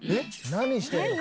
何してるの？